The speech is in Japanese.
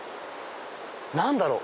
何だろう？